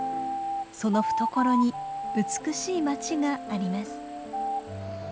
その懐に美しい町があります。